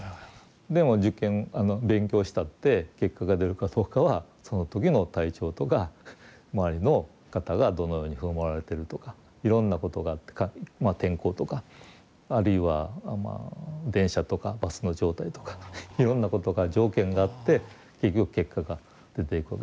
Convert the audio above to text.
でも受験勉強したって結果が出るかどうかはその時の体調とか周りの方がどのように振る舞われてるとかいろんなことがあってまあ天候とかあるいは電車とかバスの状態とかいろんなことが条件があって結局結果が出ていくわけですよね。